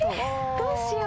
どうしよう！